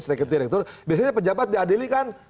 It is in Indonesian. setingkat dirjen itu biasanya pejabat diadili kan